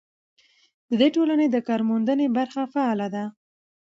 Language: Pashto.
د دې ټولنې د کارموندنې برخه فعاله ده.